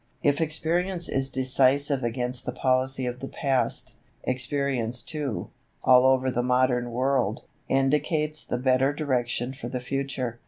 If experience is decisive against the policy of the past, experience too, all over the modern world, indicates the better direction for the future.